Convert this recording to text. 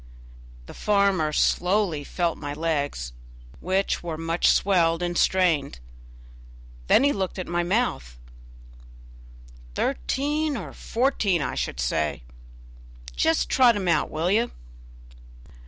The farmer slowly felt my legs, which were much swelled and strained; then he looked at my mouth. "Thirteen or fourteen, I should say; just trot him out, will you?"